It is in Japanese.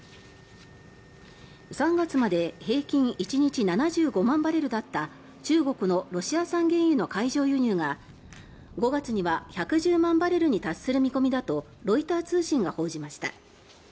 ３月まで平均１日７５万バレルだった中国のロシア産原油の海上輸入が５月には１１０万バレルに達する見込みだとロイター通信が報じました。